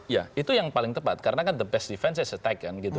ya itu yang paling tepat karena kan the best defense is attack kan gitu